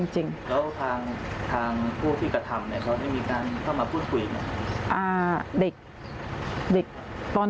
จริงแล้วทางผู้ที่กระทำเนี่ยเขาได้มีการเข้ามาพูดคุยไหม